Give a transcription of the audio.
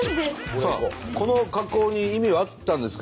この格好に意味はあったんですか？